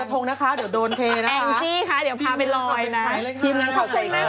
แอ้งพี่คะเดี๋ยวพากันเอิ้นรอยยากลงหกว่ามันจะทงนะคะ